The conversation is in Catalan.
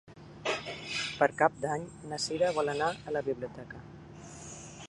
Per Cap d'Any na Cira vol anar a la biblioteca.